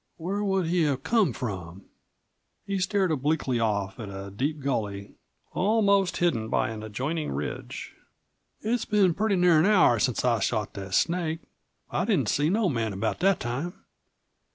"Where would he have come from?" He stared obliquely off at a deep gully almost hidden by an adjoining ridge. "It's been pretty near an hour since I shot that snake. I didn't see no man about that time.